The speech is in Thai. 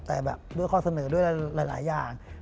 แต่แบบด้วยข้อเสนอด้วยหลายอย่าง